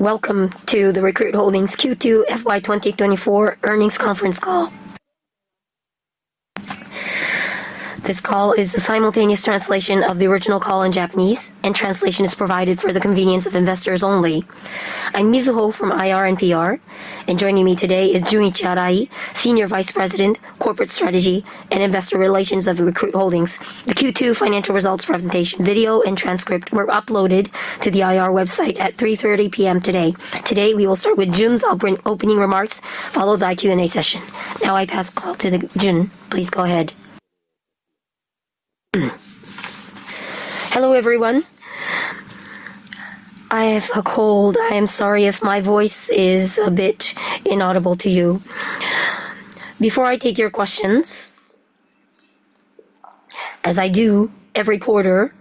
Welcome to the Recruit Holdings Q2 FY 2024 earnings conference call. This call is a simultaneous translation of the original call in Japanese, and translation is provided for the convenience of investors only. I'm Mizuho from IR and PR, and joining me today is Junichi Arai, Senior Vice President, Corporate Strategy and Investor Relations of Recruit Holdings. The Q2 financial results presentation video and transcript were uploaded to the IR website at 3:30 P.M. today. Today we will start with Jun's opening remarks, followed by Q&A session. Now I pass the call to Jun. Please go ahead. Hello everyone. I have a cold. I am sorry if my voice is a bit inaudible to you. Before I take your questions, as I do every quarter,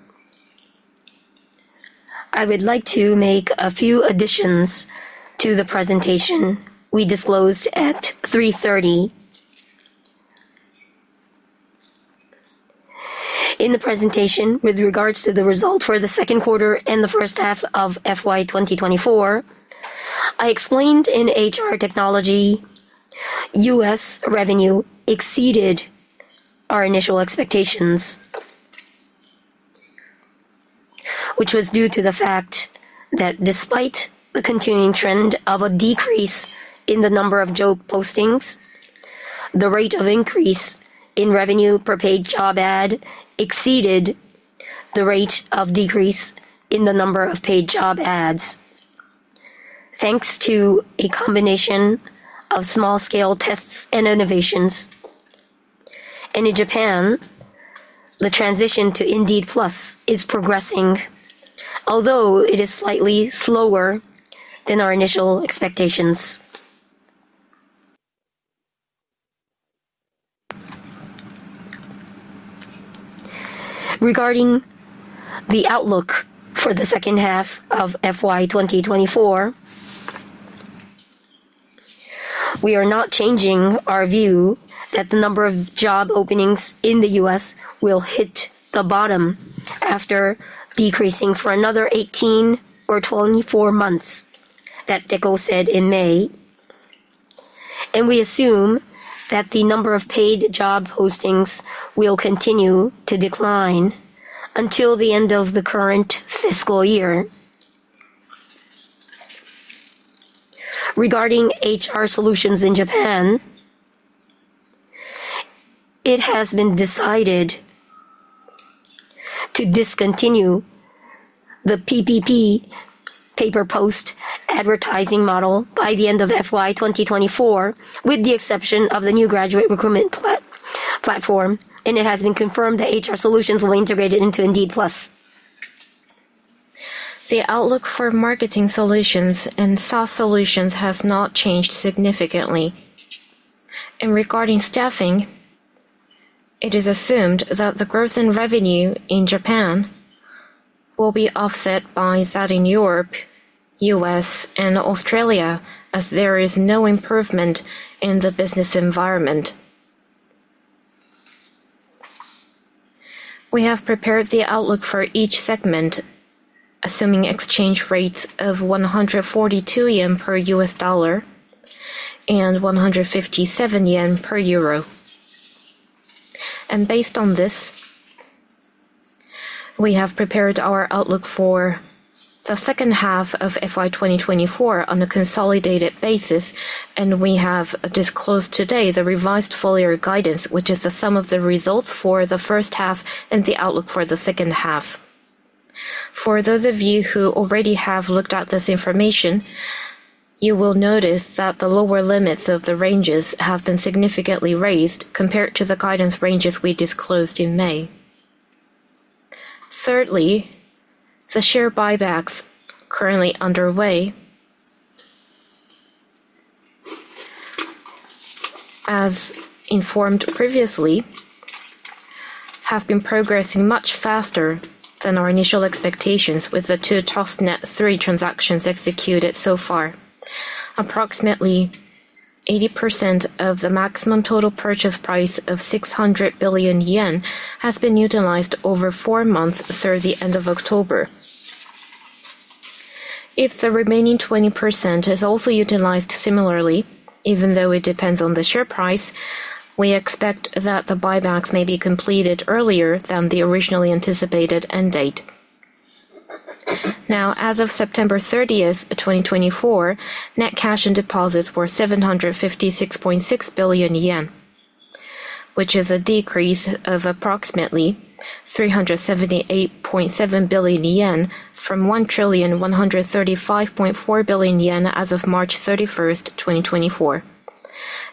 I would like to make a few additions to the presentation we disclosed at 3:30 P.M. In the presentation with regards to the results for the second quarter and the first half of FY 2024, I explained in HR Technology U.S. revenue exceeded our initial expectations, which was due to the fact that despite the continuing trend of a decrease in the number of job postings, The rate of increase in revenue per paid job ad exceeded the rate of decrease in the number of paid job ads. Thanks to a combination of small-scale tests and innovations, and in Japan, the transition to Indeed Plus is progressing, although it is slightly slower than our initial expectations. Regarding the outlook for the second half of FY 2024, we are not changing our view that the number of job openings in the U.S. will hit the bottom after decreasing for another 18 or 24 months that Deko said in May, and we assume that the number of paid job postings will continue to decline until the end of the current fiscal year. Regarding HR Solutions in Japan, it has been decided to discontinue the PPP pay-per-post advertising model by the end of FY 2024, with the exception of the new graduate recruitment platform, and it has been confirmed that HR Solutions will be integrated into Indeed Plus. The outlook for Marketing Solutions and SaaS Solutions has not changed significantly. And regarding staffing, it is assumed that the growth in revenue in Japan will be offset by that in Europe, U.S., and Australia, as there is no improvement in the business environment. We have prepared the outlook for each segment, assuming exchange rates of 142 yen per U.S. dollar and 157 yen per euro. And based on this, we have prepared our outlook for the second half of FY 2024 on a consolidated basis, and we have disclosed today the revised full-year guidance, which is the sum of the results for the first half and the outlook for the second half. For those of you who already have looked at this information, you will notice that the lower limits of the ranges have been significantly raised compared to the guidance ranges we disclosed in May. Thirdly, the share buybacks currently underway, as informed previously, have been progressing much faster than our initial expectations with the two ToSTNeT-3 transactions executed so far. Approximately 80% of the maximum total purchase price of 600 billion yen has been utilized over four months through the end of October. If the remaining 20% is also utilized similarly, even though it depends on the share price, we expect that the buybacks may be completed earlier than the originally anticipated end date. Now, as of September 30th, 2024, net cash and deposits were 756.6 billion yen, which is a decrease of approximately 378.7 billion yen from 1 trillion 135.4 billion as of March 31st, 2024.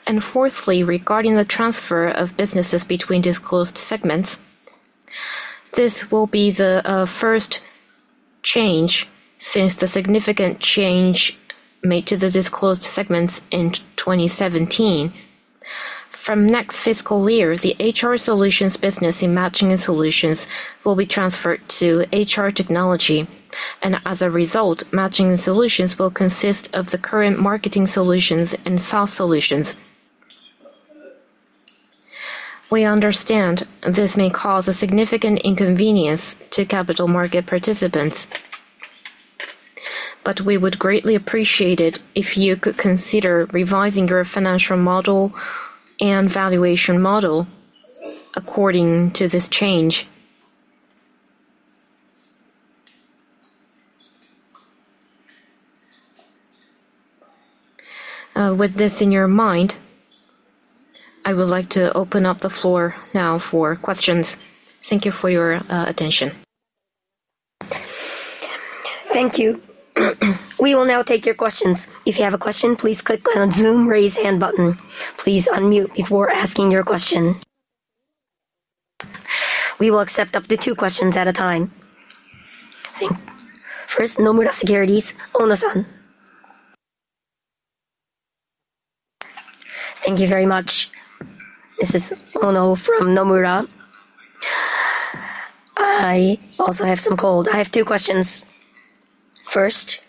And fourthly, regarding the transfer of businesses between disclosed segments, this will be the first change since the significant change made to the disclosed segments in 2017. From next fiscal year, the HR Solutions business in Matching & Solutions will be transferred to HR Technology, and as a result, Matching & Solutions will consist of the current Marketing Solutions and SaaS Solutions. We understand this may cause a significant inconvenience to capital market participants, but we would greatly appreciate it if you could consider revising your financial model and valuation model according to this change. With this in your mind, I would like to open up the floor now for questions. Thank you for your attention. Thank you. We will now take your questions. If you have a question, please click on the Zoom raise hand button. Please unmute before asking your question. We will accept up to two questions at a time. First, Nomura Securities, Ono-san. Thank you very much. This is Ono from Nomura. I also have a cold. I have two questions. First.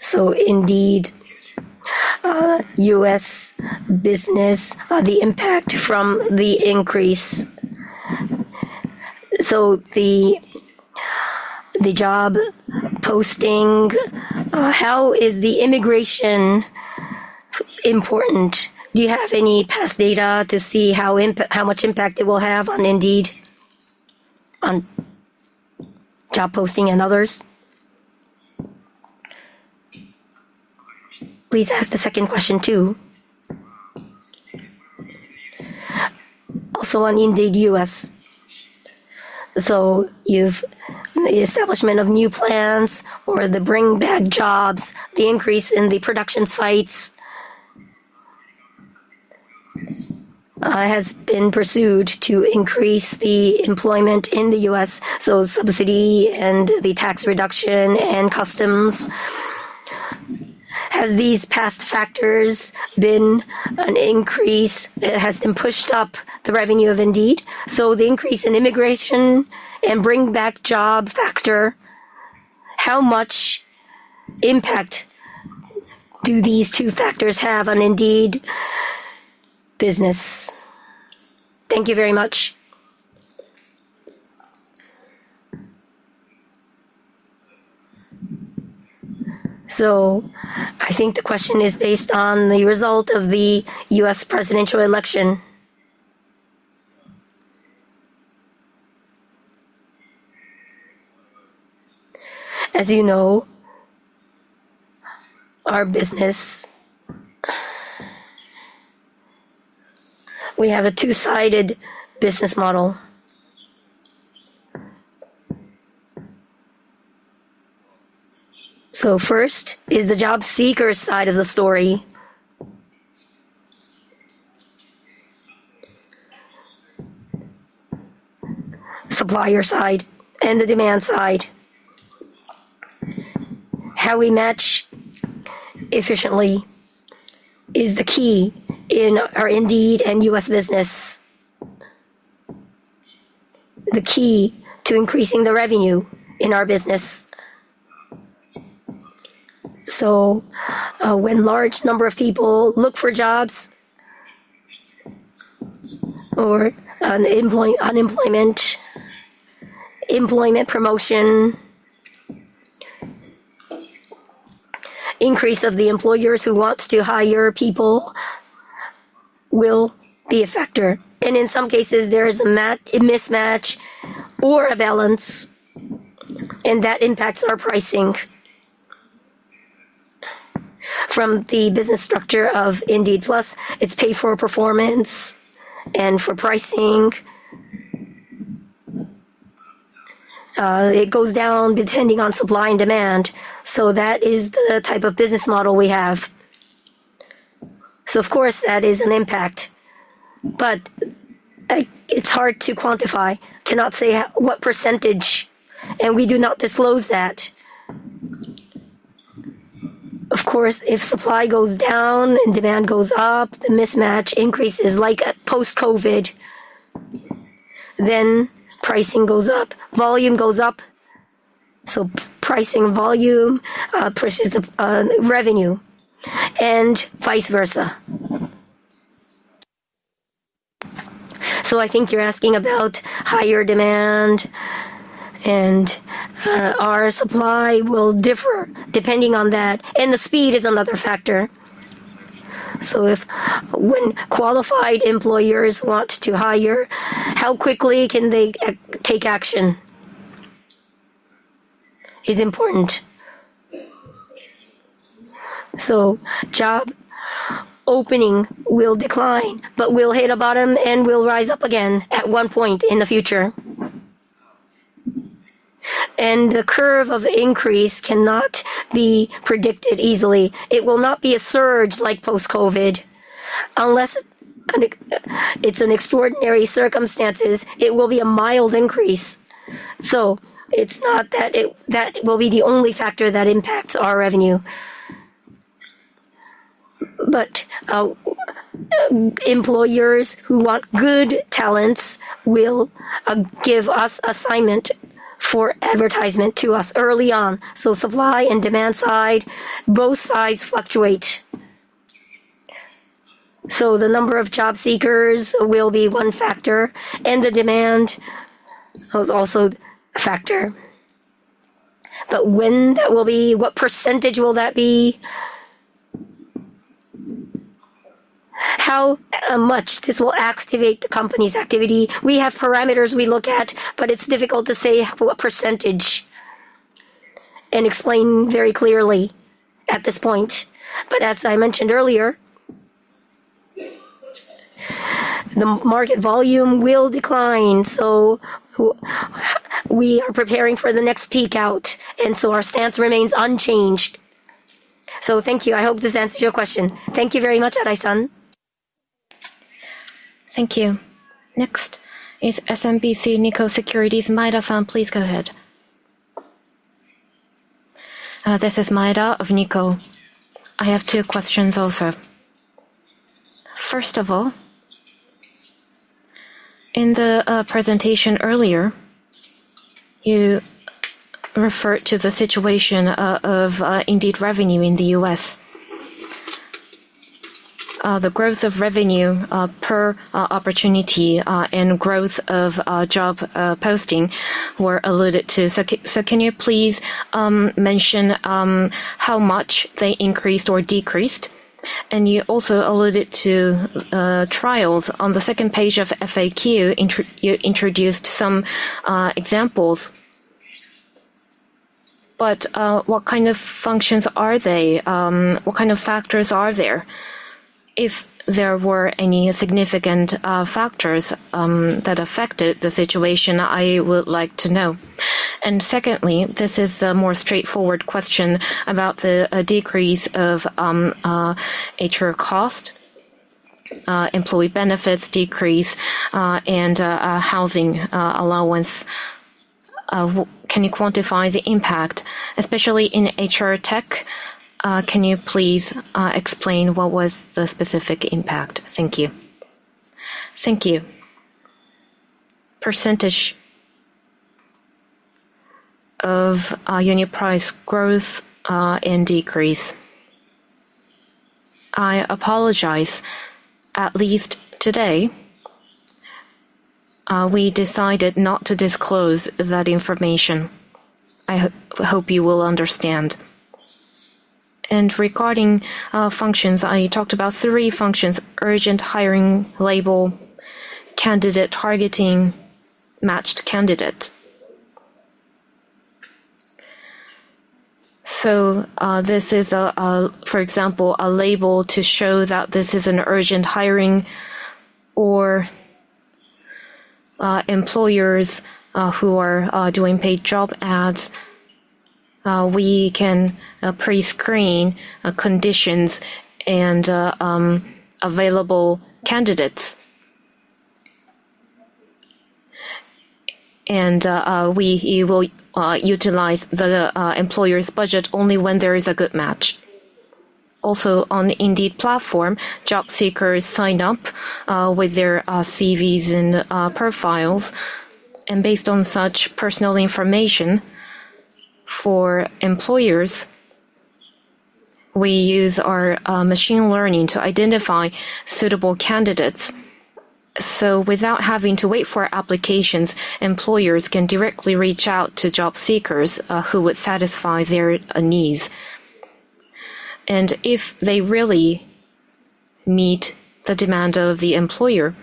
So Indeed, U.S. business, the impact from the increase. So the job posting, how is the immigration important? Do you have any past data to see how much impact it will have on Indeed, on job posting and others? Please ask the second question too. Also on Indeed U.S. So the establishment of new plans or the bring-back jobs, the increase in the production sites has been pursued to increase the employment in the U.S., so subsidy and the tax reduction and customs. Has these past factors been an increase that has been pushed up the revenue of Indeed? So the increase in immigration and bring-back job factor, how much impact do these two factors have on Indeed business? Thank you very much. So I think the question is based on the result of the U.S. presidential election. As you know, our business, we have a two-sided business model. So first is the job seeker side of the story, supplier side, and the demand side. How we match efficiently is the key in our Indeed and U.S. business, the key to increasing the revenue in our business. So when a large number of people look for jobs or unemployment, employment promotion, increase of the employers who want to hire people will be a factor. And in some cases, there is a mismatch or a balance, and that impacts our pricing. From the business structure of Indeed Plus, it's paid-for performance and for pricing. It goes down depending on supply and demand. So that is the type of business model we have. So of course, that is an impact, but it's hard to quantify. Cannot say what percentage, and we do not disclose that. Of course, if supply goes down and demand goes up, the mismatch increases like post-COVID, then pricing goes up, volume goes up. So pricing volume pushes the revenue and vice versa. So I think you're asking about higher demand, and our supply will differ depending on that, and the speed is another factor. So when qualified employers want to hire, how quickly can they take action is important. So job opening will decline, but will hit a bottom and will rise up again at one point in the future. And the curve of increase cannot be predicted easily. It will not be a surge like post-COVID. Unless it's in extraordinary circumstances, it will be a mild increase. So it's not that it will be the only factor that impacts our revenue. But employers who want good talents will give us assignment for advertisement to us early on. So supply and demand side, both sides fluctuate. So the number of job seekers will be one factor, and the demand is also a factor. But when that will be, what percentage will that be? How much this will activate the company's activity? We have parameters we look at, but it's difficult to say what percentage and explain very clearly at this point. But as I mentioned earlier, the market volume will decline. So we are preparing for the next peak out, and so our stance remains unchanged. So thank you.I hope this answers your question. Thank you very much, Arai-san. Thank you. Next is SMBC Nikko Securities, Maida-san, please go ahead. This is Maida of Nikko. I have two questions also. First of all, in the presentation earlier, you referred to the situation of Indeed revenue in the U.S. The growth of revenue per opportunity and growth of job posting were alluded to. So can you please mention how much they increased or decreased? And you also alluded to trials. On the second page of FAQ, you introduced some examples. But what kind of functions are they? What kind of factors are there? If there were any significant factors that affected the situation, I would like to know. And secondly, this is a more straightforward question about the decrease of HR cost, employee benefits decrease, and housing allowance. Can you quantify the impact, especially in HR tech? Can you please explain what was the specific impact? Thank you. Thank you. Percentage of unit price growth and decrease. I apologize. At least today, we decided not to disclose that information. I hope you will understand. And regarding functions, I talked about three functions: urgent hiring, label, candidate targeting, matched candidate. So this is, for example, a label to show that this is an urgent hiring or employers who are doing paid job ads. We can pre-screen conditions and available candidates. And we will utilize the employer's budget only when there is a good match. Also, on Indeed platform, job seekers sign up with their CVs and profiles. And based on such personal information for employers, we use our machine learning to identify suitable candidates. So without having to wait for applications, employers can directly reach out to job seekers who would satisfy their needs. If they really meet the demand of the employer,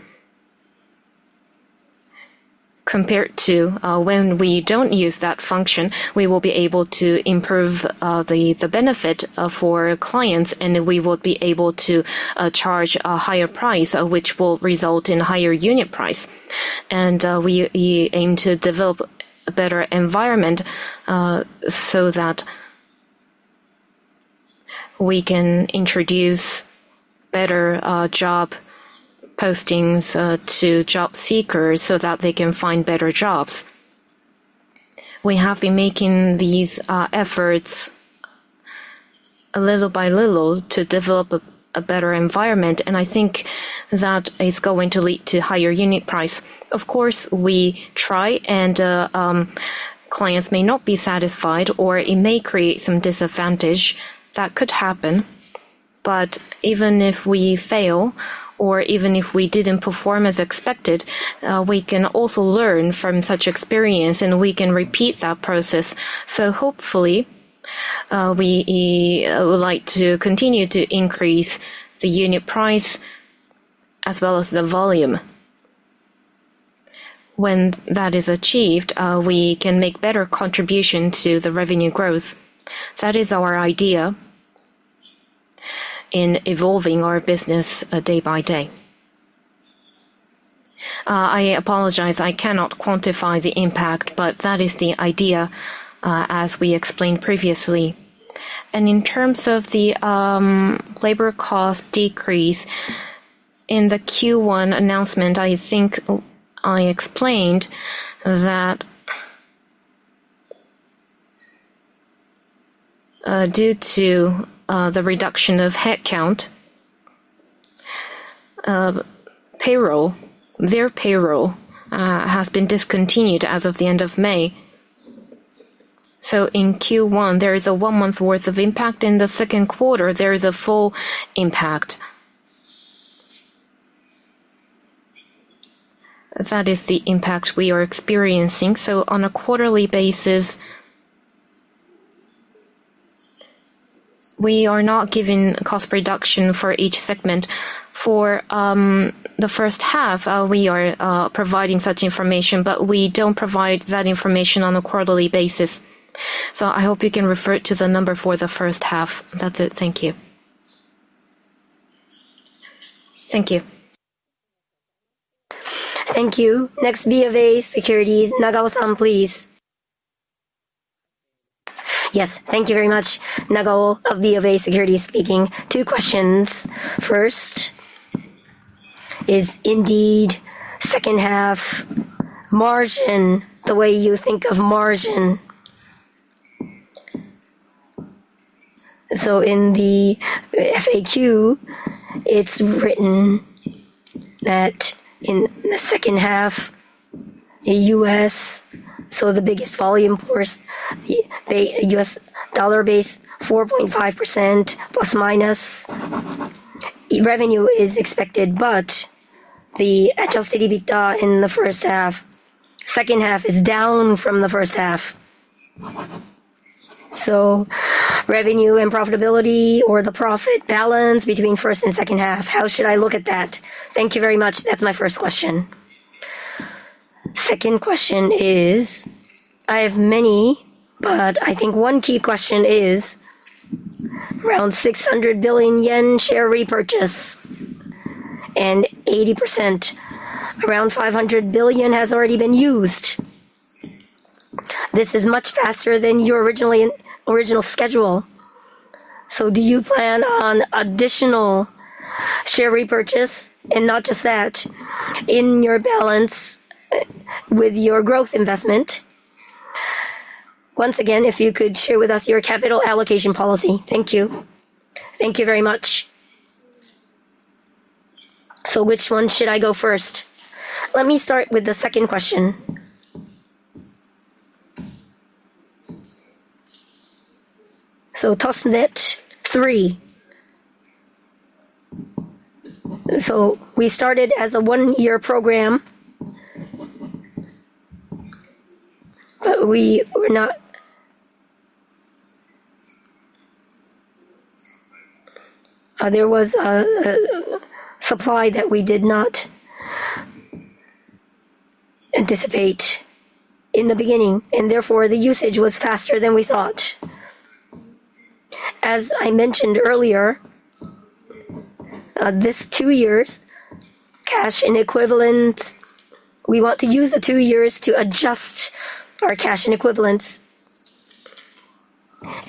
compared to when we don't use that function, we will be able to improve the benefit for clients, and we will be able to charge a higher price, which will result in a higher unit price. We aim to develop a better environment so that we can introduce better job postings to job seekers so that they can find better jobs. We have been making these efforts little by little to develop a better environment, and I think that is going to lead to higher unit price. Of course, we try, and clients may not be satisfied, or it may create some disadvantage that could happen. Even if we fail, or even if we didn't perform as expected, we can also learn from such experience, and we can repeat that process. So hopefully, we would like to continue to increase the unit price as well as the volume. When that is achieved, we can make better contribution to the revenue growth. That is our idea in evolving our business day by day. I apologize. I cannot quantify the impact, but that is the idea as we explained previously. And in terms of the labor cost decrease, in the Q1 announcement, I think I explained that due to the reduction of headcount, their payroll has been discontinued as of the end of May. So in Q1, there is a one-month worth of impact. In the second quarter, there is a full impact. That is the impact we are experiencing. So on a quarterly basis, we are not giving cost reduction for each segment. For the first half, we are providing such information, but we don't provide that information on a quarterly basis. So I hope you can refer to the number for the first half. That's it. Thank you. Thank you. Thank you. Next, BofA Securities. Nagao San, please. Yes. Thank you very much. Nagao of BofA Securities speaking. Two questions. First is Indeed second half margin, the way you think of margin. So in the FAQ, it's written that in the second half, U.S., so the biggest volume force, U.S. dollar-based, 4.5% plus minus revenue is expected, but the HLC dividend in the first half, second half is down from the first half. So revenue and profitability or the profit balance between first and second half, how should I look at that? Thank you very much. That's my first question. Second question is, I have many, but I think one key question is around 600 billion yen share repurchase and 80%, around 500 billion has already been used. This is much faster than your original schedule. So do you plan on additional share repurchase? And not just that, in your balance with your growth investment. Once again, if you could share with us your capital allocation policy. Thank you. Thank you very much. So which one should I go first? Let me start with the second question. So TOSNET-3. So we started as a one-year program, but we were not. There was supply that we did not anticipate in the beginning, and therefore the usage was faster than we thought. As I mentioned earlier, this two years cash and equivalent, we want to use the two years to adjust our cash and equivalents.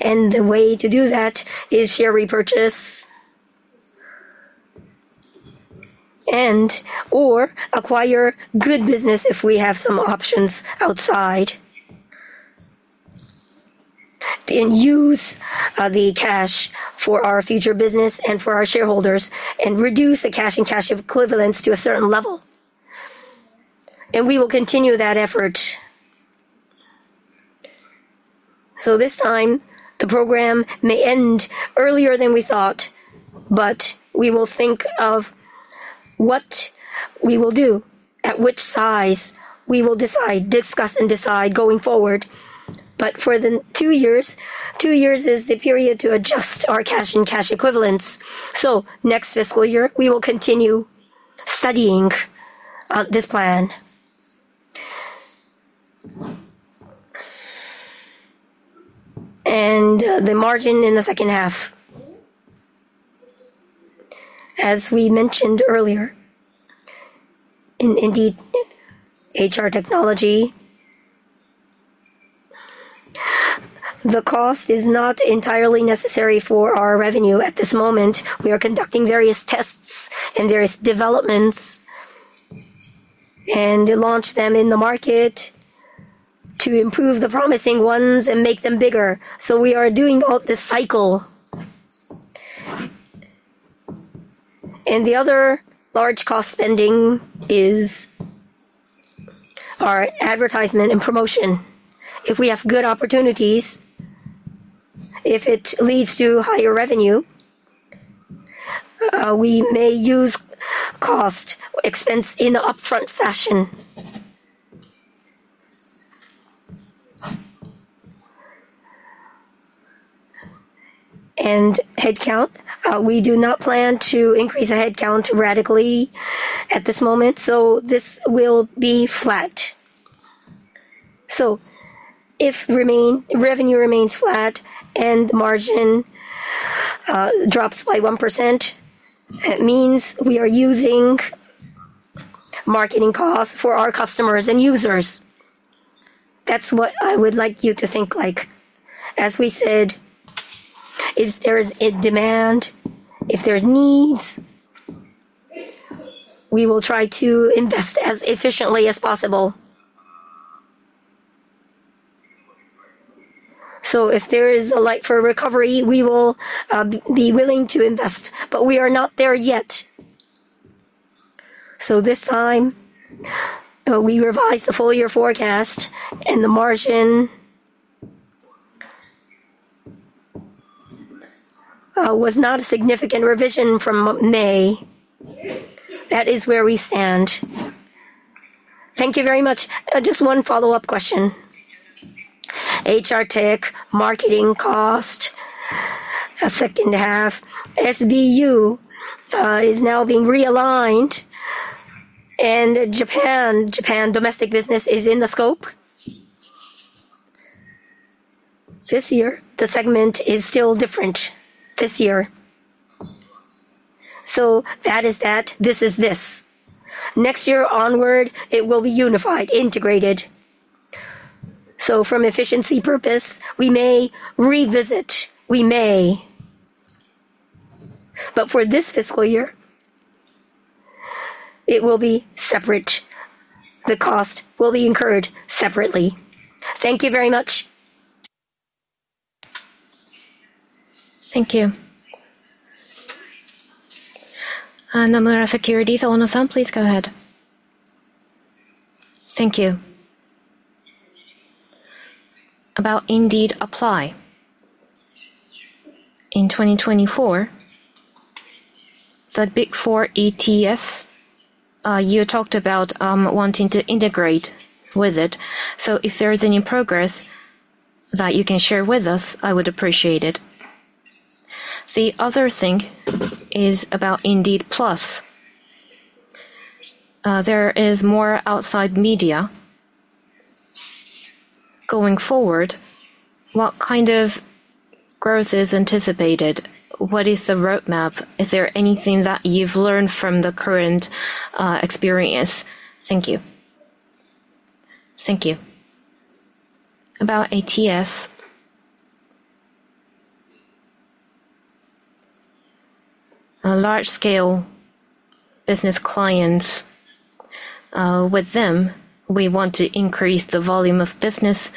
And the way to do that is share repurchase and/or acquire good business if we have some options outside. And use the cash for our future business and for our shareholders and reduce the cash and cash equivalents to a certain level. And we will continue that effort. So this time, the program may end earlier than we thought, but we will think of what we will do, at which size we will decide, discuss and decide going forward. But for the two years, two years is the period to adjust our cash and cash equivalents. So next fiscal year, we will continue studying this plan. And the margin in the second half. As we mentioned earlier, indeed, HR Technology. The cost is not entirely necessary for our revenue at this moment. We are conducting various tests and various developments and launch them in the market to improve the promising ones and make them bigger. So we are doing all this cycle. The other large cost spending is our advertisement and promotion. If we have good opportunities, if it leads to higher revenue, we may use cost expense in an upfront fashion. Headcount, we do not plan to increase the headcount radically at this moment. This will be flat. If revenue remains flat and margin drops by 1%, it means we are using marketing costs for our customers and users. That's what I would like you to think like. As we said, if there's a demand, if there's needs, we will try to invest as efficiently as possible. If there is a light for recovery, we will be willing to invest, but we are not there yet. This time, we revised the full year forecast and the margin was not a significant revision from May. That is where we stand. Thank you very much. Just one follow-up question. HR tech, marketing cost, second half. SBU is now being realigned and Japan, Japan domestic business is in the scope. This year, the segment is still different this year. So that is that. This is this. Next year onward, it will be unified, integrated. So from efficiency purpose, we may revisit, we may. But for this fiscal year, it will be separate. The cost will be incurred separately. Thank you very much. Thank you. Nomura Securities, Ono-san, please go ahead. Thank you. About Indeed Apply in 2024, the Big Four ATS, you talked about wanting to integrate with it. So if there is any progress that you can share with us, I would appreciate it. The other thing is about Indeed Plus. There is more outside media going forward. What kind of growth is anticipated? What is the roadmap? Is there anything that you've learned from the current experience? Thank you. Thank you. About ATS. Large-scale business clients. With them, we want to increase the volume of business.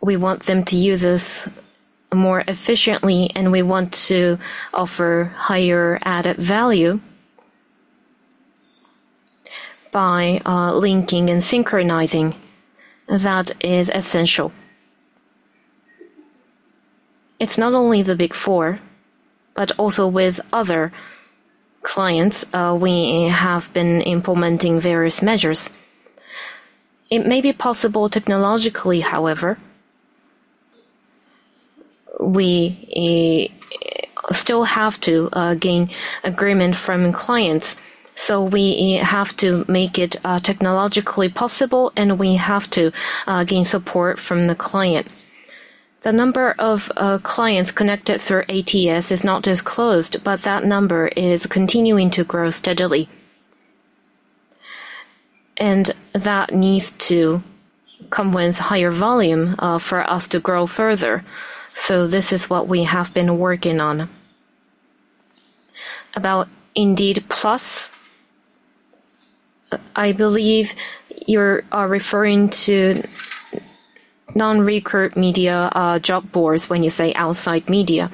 We want them to use us more efficiently, and we want to offer higher added value by linking and synchronizing. That is essential. It's not only the Big Four, but also with other clients, we have been implementing various measures. It may be possible technologically, however, we still have to gain agreement from clients. So we have to make it technologically possible, and we have to gain support from the client. The number of clients connected through ATS is not disclosed, but that number is continuing to grow steadily. And that needs to come with higher volume for us to grow further. So this is what we have been working on. About Indeed Plus, I believe you are referring to non-recurrent media job boards when you say outside media.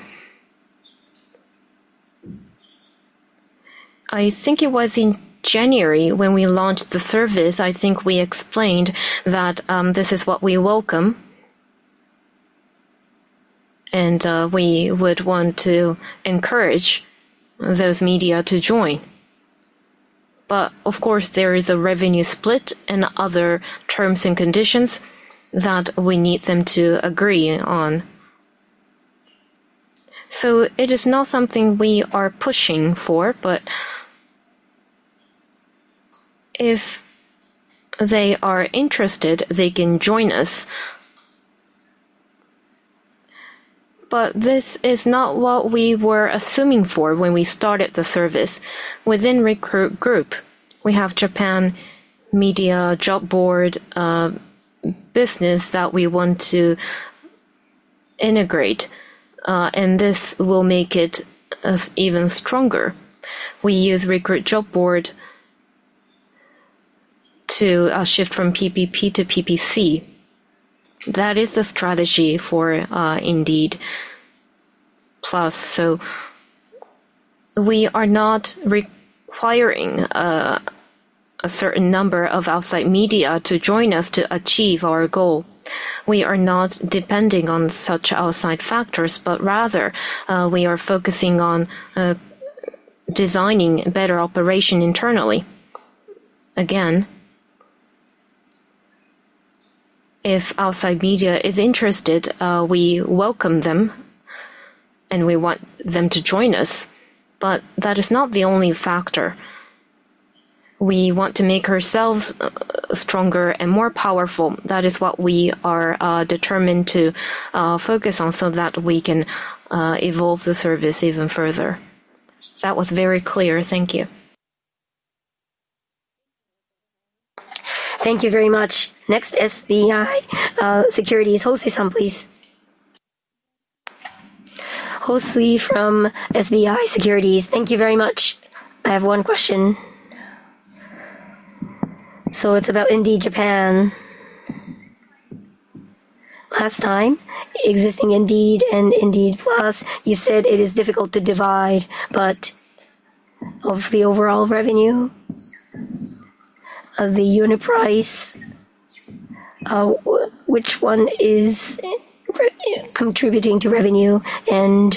I think it was in January when we launched the service. I think we explained that this is what we welcome, and we would want to encourage those media to join. But of course, there is a revenue split and other terms and conditions that we need them to agree on. So it is not something we are pushing for, but if they are interested, they can join us. But this is not what we were assuming for when we started the service. Within Recruit Group, we have Japan media job board business that we want to integrate, and this will make it even stronger. We use Recruit Job Board to shift from PPP to PPC. That is the strategy for Indeed Plus. So we are not requiring a certain number of outside media to join us to achieve our goal. We are not depending on such outside factors, but rather we are focusing on designing better operation internally. Again, if outside media is interested, we welcome them, and we want them to join us. But that is not the only factor. We want to make ourselves stronger and more powerful. That is what we are determined to focus on so that we can evolve the service even further. That was very clear. Thank you. Thank you very much. Next, SBI Securities. Hosei-san, please. Hosei from SBI Securities. Thank you very much. I have one question. So it's about Indeed Japan. Last time, existing Indeed and Indeed Plus, you said it is difficult to divide, but of the overall revenue of the unit price, which one is contributing to revenue, and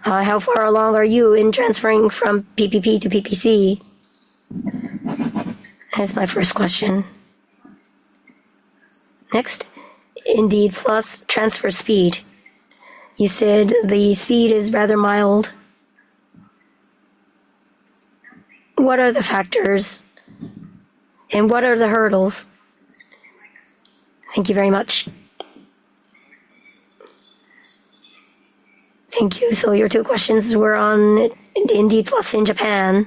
how far along are you in transferring from PPP to PPC? That's my first question. Next, Indeed Plus transfer speed. You said the speed is rather mild. What are the factors, and what are the hurdles? Thank you very much. Thank you. So your two questions were on Indeed Plus in Japan.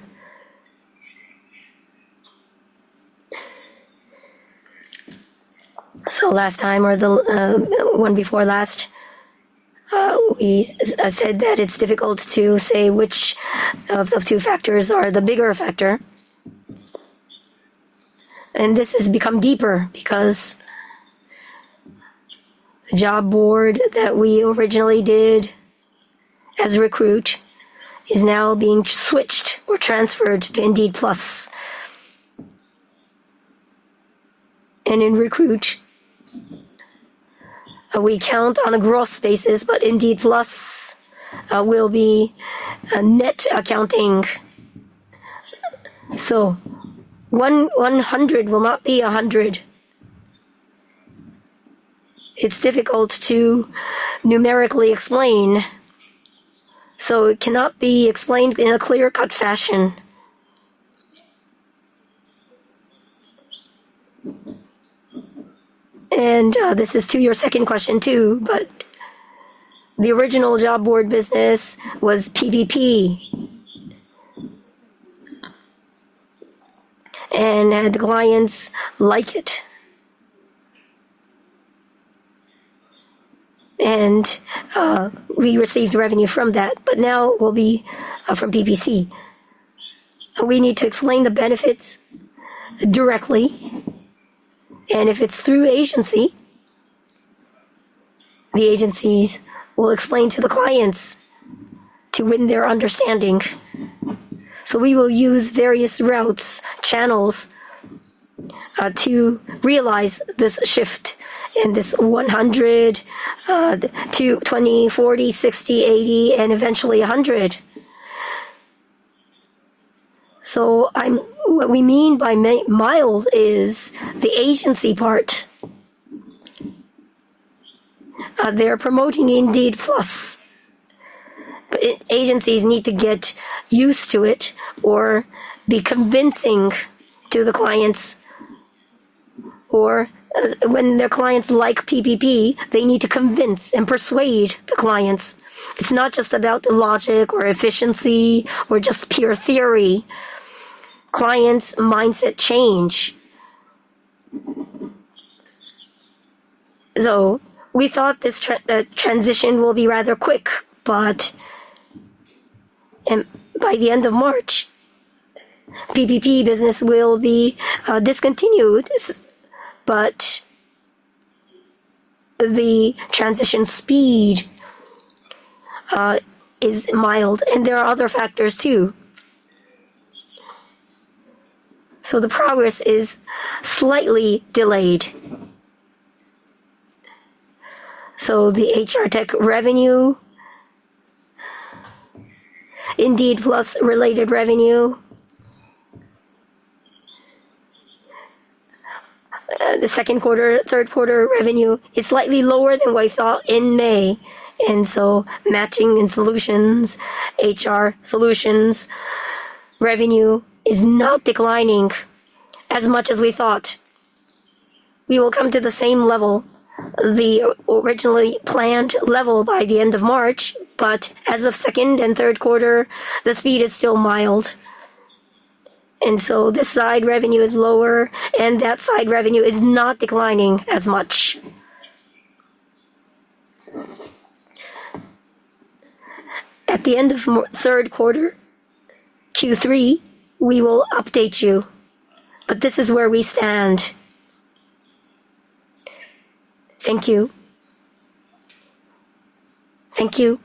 So last time or the one before last, we said that it's difficult to say which of the two factors are the bigger factor. And this has become deeper because the job board that we originally did as Recruit is now being switched or transferred to Indeed Plus. And in Recruit, we count on a gross basis, but Indeed Plus will be net accounting. So 100 will not be 100. It's difficult to numerically explain, so it cannot be explained in a clear-cut fashion. And this is to your second question too, but the original job board business was PPP, and the clients like it. And we received revenue from that, but now it will be from PPC. We need to explain the benefits directly, and if it's through agency, the agencies will explain to the clients to win their understanding. So we will use various routes, channels to realize this shift in this 100 to 20, 40, 60, 80, and eventually 100. So what we mean by mild is the agency part. They're promoting Indeed Plus. Agencies need to get used to it or be convincing to the clients. Or when their clients like PPP, they need to convince and persuade the clients. It's not just about the logic or efficiency or just pure theory. Clients' mindset change, so we thought this transition will be rather quick, but by the end of March, PPP business will be discontinued, but the transition speed is mild, and there are other factors too, so the progress is slightly delayed, so the HR tech revenue, Indeed Plus related revenue, the second quarter, third quarter revenue is slightly lower than what we thought in May, and so matching and solutions, HR solutions, revenue is not declining as much as we thought. We will come to the same level, the originally planned level by the end of March, but as of second and third quarter, the speed is still mild, and so this side revenue is lower, and that side revenue is not declining as much. At the end of third quarter, Q3, we will update you, but this is where we stand. Thank you. Thank you.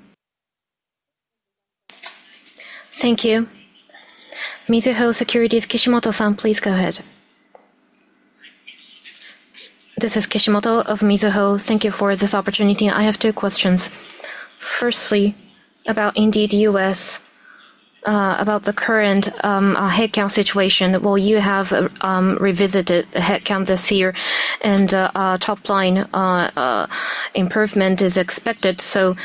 Thank you. Mizuho Securities, Kishimoto-san, please go ahead. This is Kishimoto of Mizuho. Thank you for this opportunity. I have two questions. Firstly, about Indeed U.S., about the current headcount situation. Will you have revisited the headcount this year, and top-line improvement is expected, so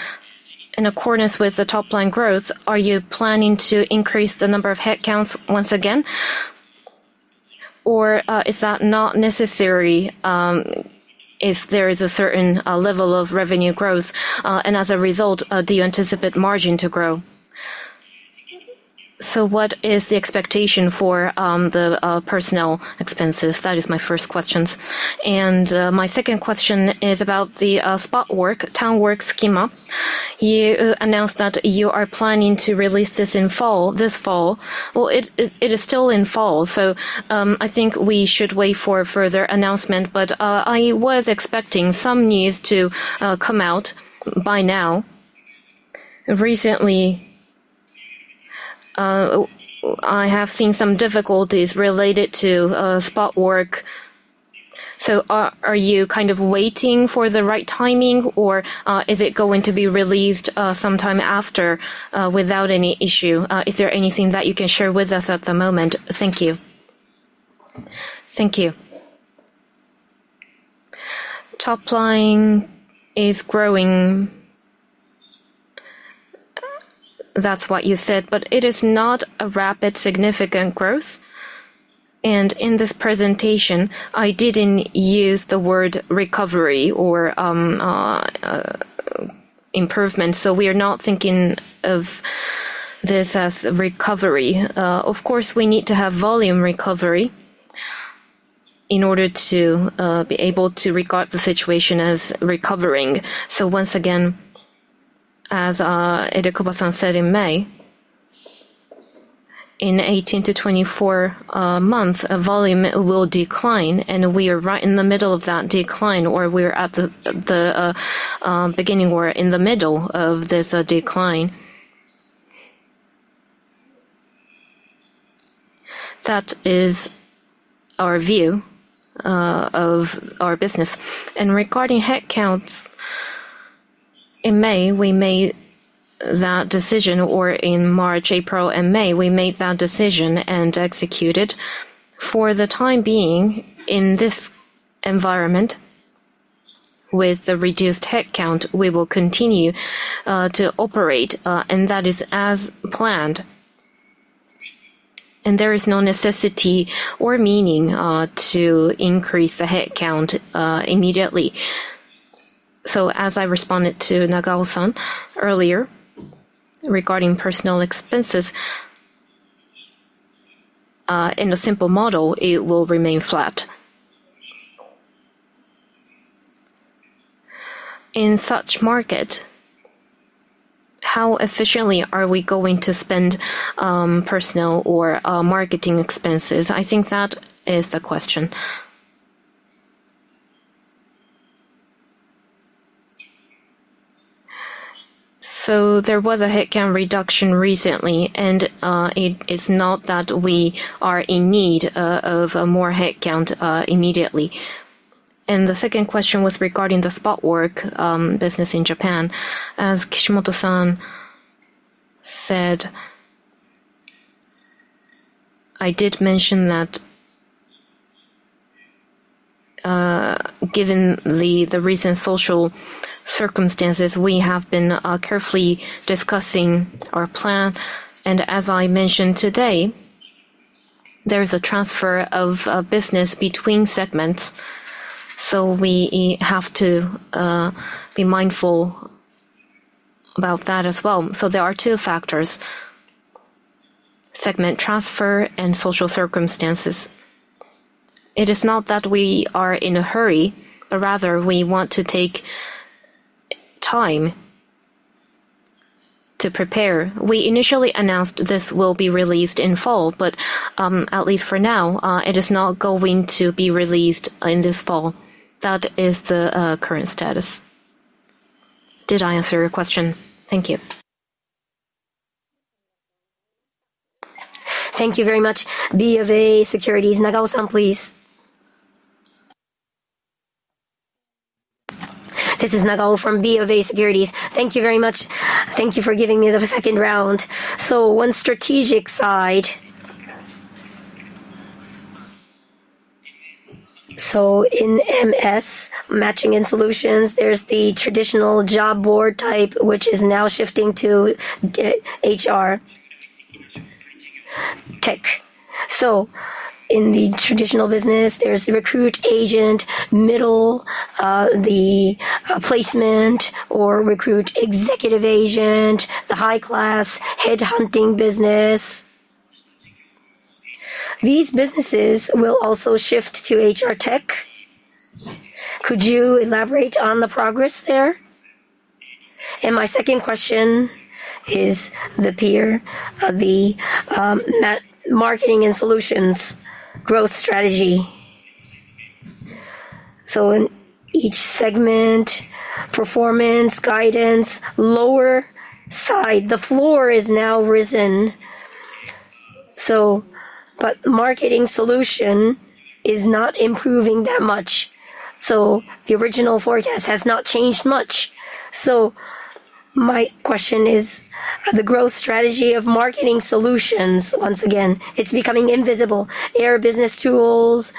in accordance with the top-line growth, are you planning to increase the number of headcounts once again? Or is that not necessary if there is a certain level of revenue growth, and as a result, do you anticipate margin to grow, so what is the expectation for the personnel expenses? That is my first question, and my second question is about the Spot Work, Townwork Sukima. You announced that you are planning to release this in fall. It is still in fall, so I think we should wait for further announcement, but I was expecting some news to come out by now. Recently, I have seen some difficulties related to spot work. So are you kind of waiting for the right timing, or is it going to be released sometime after without any issue? Is there anything that you can share with us at the moment? Thank you. Thank you. Top line is growing. That's what you said, but it is not a rapid significant growth, and in this presentation, I didn't use the word recovery or improvement, so we are not thinking of this as recovery. Of course, we need to have volume recovery in order to be able to regard the situation as recovering. So once again, as Idekoba-san said in May, in 18 to 24 months, volume will decline, and we are right in the middle of that decline, or we're at the beginning or in the middle of this decline. That is our view of our business. And regarding headcounts, in May, we made that decision, or in March, April, and May, we made that decision and executed. For the time being, in this environment, with the reduced headcount, we will continue to operate, and that is as planned. And there is no necessity or meaning to increase the headcount immediately. So as I responded to Nagao-san earlier regarding personnel expenses, in a simple model, it will remain flat. In such market, how efficiently are we going to spend personnel or marketing expenses? I think that is the question. There was a headcount reduction recently, and it is not that we are in need of more headcount immediately. The second question was regarding the spot work business in Japan. As Kishimoto-san said, I did mention that given the recent social circumstances, we have been carefully discussing our plan. As I mentioned today, there is a transfer of business between segments, so we have to be mindful about that as well. There are two factors: segment transfer and social circumstances. It is not that we are in a hurry, but rather we want to take time to prepare. We initially announced this will be released in fall, but at least for now, it is not going to be released in this fall. That is the current status. Did I answer your question? Thank you. Thank you very much. BofA Securities, Nagao-san, please. This is Nagao from BofA Securities. Thank you very much. Thank you for giving me the second round. So on the strategic side, so in MS, Matching & Solutions, there's the traditional job board type, which is now shifting to HR Tech. So in the traditional business, there's Recruit Agent, middle, the placement, or Recruit Executive Agent, the high-class headhunting business. These businesses will also shift to HR Tech. Could you elaborate on the progress there? And my second question is the HR, the Marketing Solutions growth strategy. So in each segment, performance guidance lower side, the floor is now risen. But Marketing Solutions is not improving that much. So the original forecast has not changed much. So my question is, the growth strategy of Marketing Solutions, once again, it's becoming invisible. Air Business Tools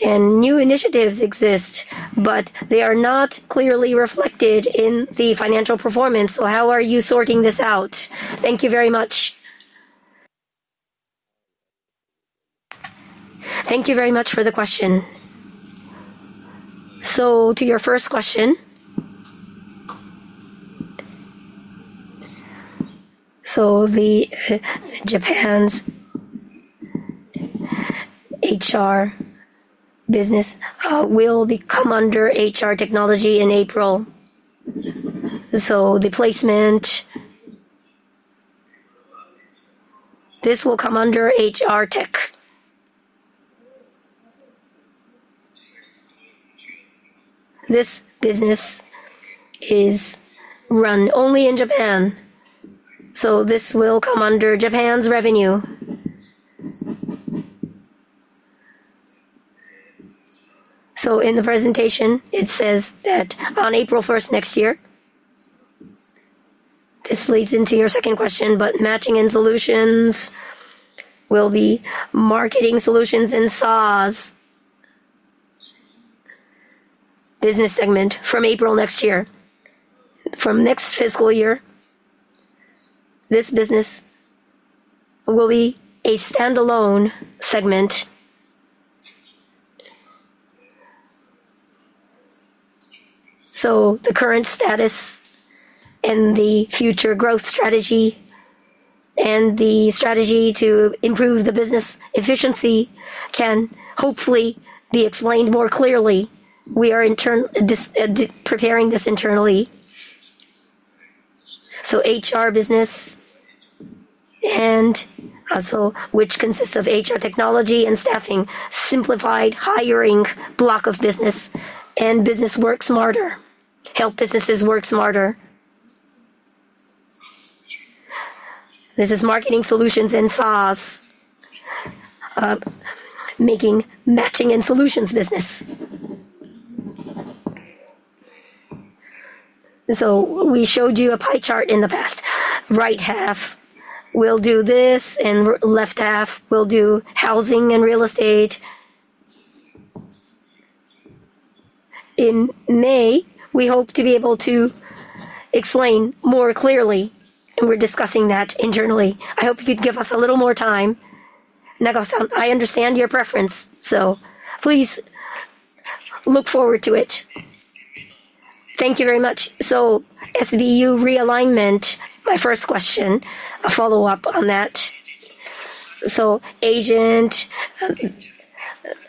and new initiatives exist, but they are not clearly reflected in the financial performance. So how are you sorting this out? Thank you very much. Thank you very much for the question. So to your first question, so Japan's HR business will come under HR Technology in April. So the placement, this will come under HR tech. This business is run only in Japan. So this will come under Japan's revenue. So in the presentation, it says that on April 1st next year, this leads into your second question, but matching and solutions will be Marketing Solutions and SaaS business segment from April next year. From next fiscal year, this business will be a standalone segment. So the current status and the future growth strategy and the strategy to improve the business efficiency can hopefully be explained more clearly. We are preparing this internally. HR business, which consists of HR technology and staffing, simplified hiring block of business, and business works smarter, help businesses work smarter. This is Marketing Solutions and SaaS, making Matching & Solutions business. We showed you a pie chart in the past. Right half will do this, and left half will do housing and real estate. In May, we hope to be able to explain more clearly, and we're discussing that internally. I hope you could give us a little more time. Nagao-san, I understand your preference, so please look forward to it. Thank you very much. SBU realignment, my first question, a follow-up on that. Agent,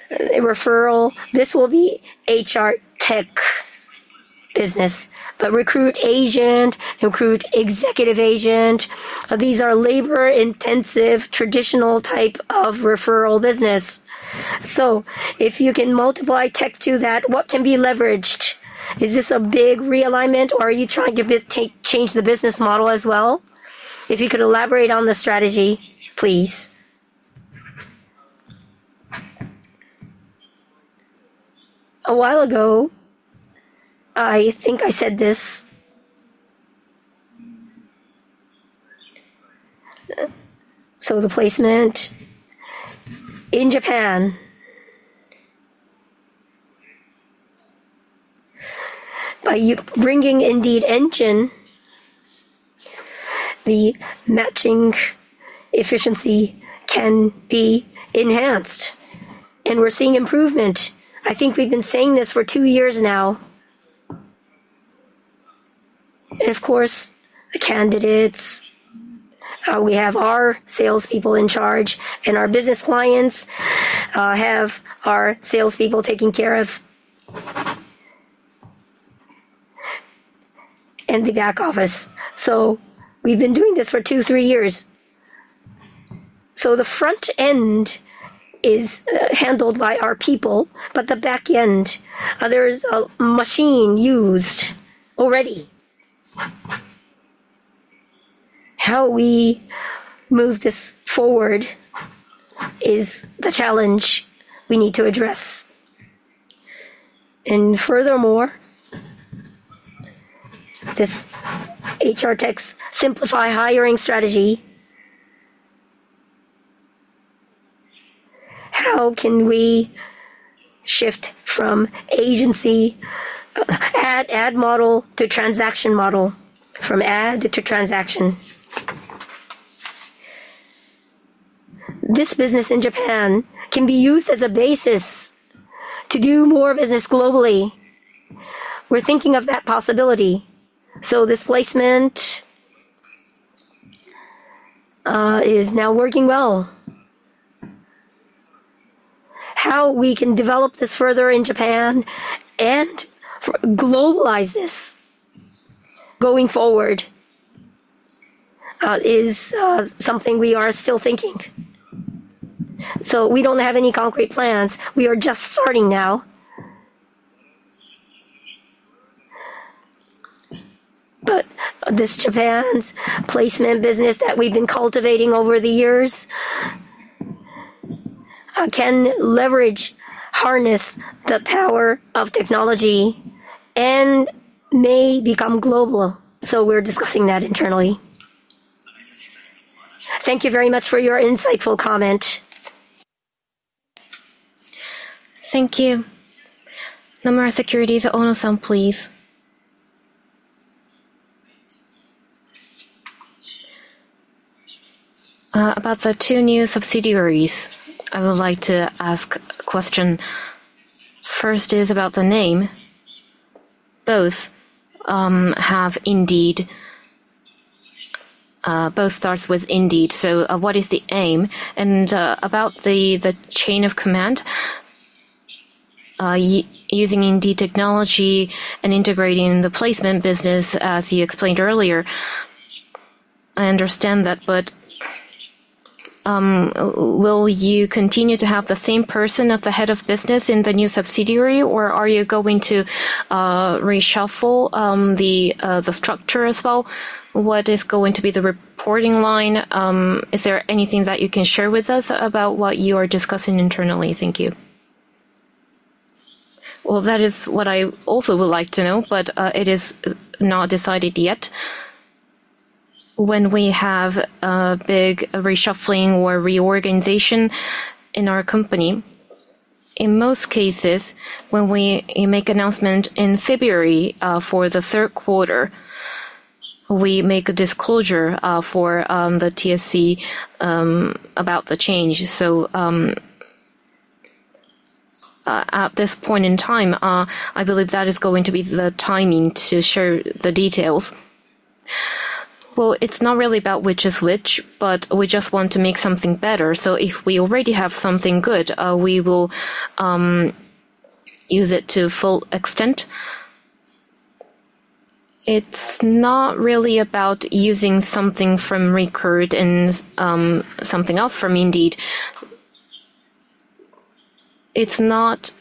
referral, this will be HR tech business, but Recruit Agent, Recruit Executive Agent. These are labor-intensive, traditional type of referral business. If you can multiply tech to that, what can be leveraged? Is this a big realignment, or are you trying to change the business model as well? If you could elaborate on the strategy, please. A while ago, I think I said this. So the placement in Japan, by bringing Indeed engine, the matching efficiency can be enhanced, and we're seeing improvement. I think we've been saying this for two years now. And of course, candidates, we have our salespeople in charge, and our business clients have our salespeople taking care of in the back office. So we've been doing this for two, three years. So the front end is handled by our people, but the back end, there is a machine used already. How we move this forward is the challenge we need to address. And furthermore, this HR tech's simplified hiring strategy, how can we shift from agency ad model to transaction model, from ad to transaction? This business in Japan can be used as a basis to do more business globally. We're thinking of that possibility. So this placement is now working well. How we can develop this further in Japan and globalize this going forward is something we are still thinking. So we don't have any concrete plans. We are just starting now. But this Japan's placement business that we've been cultivating over the years can leverage, harness the power of technology, and may become global. So we're discussing that internally. Thank you very much for your insightful comment. Thank you. Nomura Securities, Ono-san, please. About the two new subsidiaries, I would like to ask a question. First is about the name. Both have Indeed, both starts with Indeed. So what is the aim? And about the chain of command, using Indeed technology and integrating the placement business, as you explained earlier, I understand that, but will you continue to have the same person at the head of business in the new subsidiary, or are you going to reshuffle the structure as well? What is going to be the reporting line? Is there anything that you can share with us about what you are discussing internally? Thank you. Well, that is what I also would like to know, but it is not decided yet. When we have a big reshuffling or reorganization in our company, in most cases, when we make announcement in February for the third quarter, we make a disclosure for the TSE about the change. So at this point in time, I believe that is going to be the timing to share the details. It's not really about which is which, but we just want to make something better. So if we already have something good, we will use it to full extent. It's not really about using something from Recruit and something else from Indeed. It's not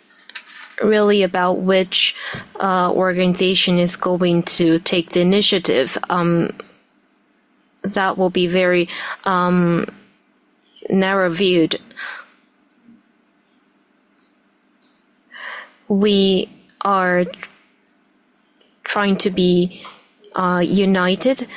really about which organization is going to take the initiative. That will be very narrowly viewed. We are trying to be united,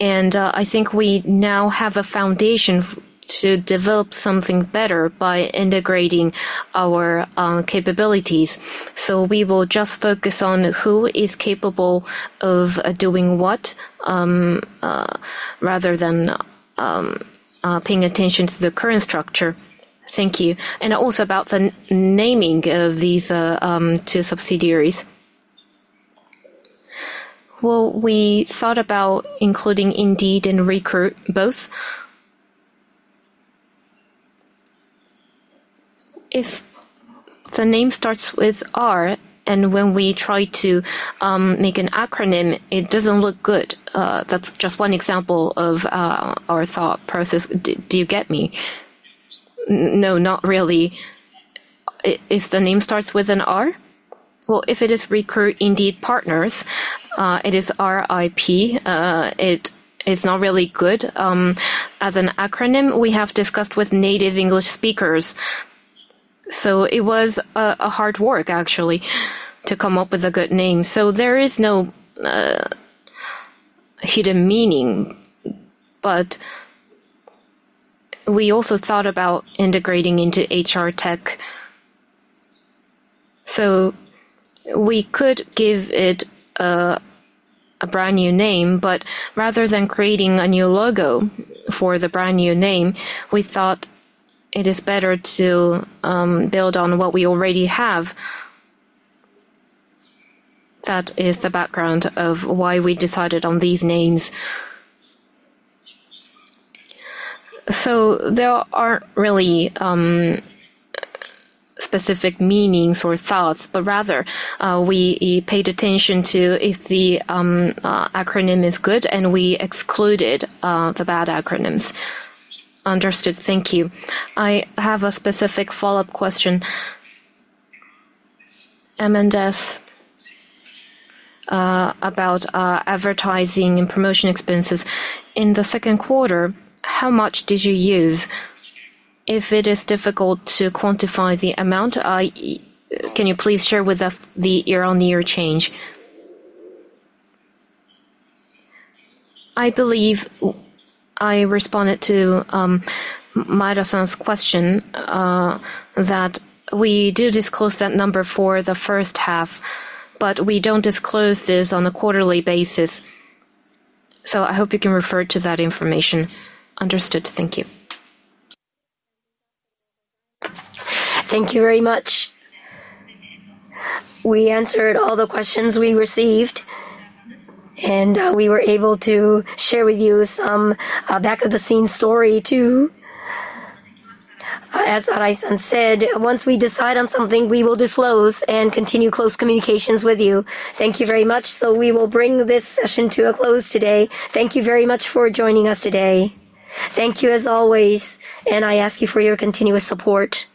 and I think we now have a foundation to develop something better by integrating our capabilities. So we will just focus on who is capable of doing what rather than paying attention to the current structure. Thank you. And also about the naming of these two subsidiaries. Well, we thought about including Indeed and Recruit both. If the name starts with R, and when we try to make an acronym, it doesn't look good. That's just one example of our thought process. Do you get me? No, not really. If the name starts with an R? Well, if it is Recruit Indeed Partners, it is RIP. It is not really good as an acronym. We have discussed with native English speakers. So it was a hard work, actually, to come up with a good name. So there is no hidden meaning, but we also thought about integrating into HR tech. So we could give it a brand new name, but rather than creating a new logo for the brand new name, we thought it is better to build on what we already have. That is the background of why we decided on these names. So there aren't really specific meanings or thoughts, but rather we paid attention to if the acronym is good, and we excluded the bad acronyms. Understood. Thank you. I have a specific follow-up question, Maida, about advertising and promotion expenses. In the second quarter, how much did you use? If it is difficult to quantify the amount, can you please share with us the year-on-year change? I believe I responded to Maida-san's question that we do disclose that number for the first half, but we don't disclose this on a quarterly basis. So I hope you can refer to that information. Understood. Thank you. Thank you very much. We answered all the questions we received, and we were able to share with you some back-of-the-scenes story too. As Arai-san said, once we decide on something, we will disclose and continue close communications with you. Thank you very much. So we will bring this session to a close today. Thank you very much for joining us today. Thank you as always, and I ask you for your continuous support.